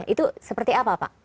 itu seperti apa pak